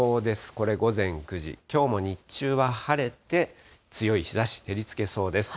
これ午前９時、きょうも日中は晴れて強い日ざし、照りつけそうです。